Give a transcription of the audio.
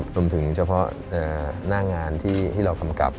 โดยเฉพาะหน้างานที่เรากำกับ